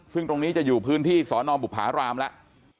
ซึ่งตรงนี้จะอยู่พื้นที่สอนอบุภารามแล้ว